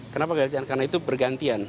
kenapa gagal di jalan karena itu bergantian